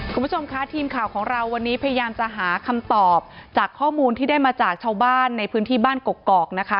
คุณผู้ชมคะทีมข่าวของเราวันนี้พยายามจะหาคำตอบจากข้อมูลที่ได้มาจากชาวบ้านในพื้นที่บ้านกกอกนะคะ